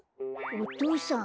お父さん？